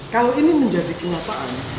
kalau ini menjadi kenyataan